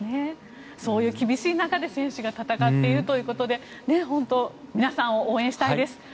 そういう厳しい中で選手が戦っているということで本当、皆さんを応援したいです。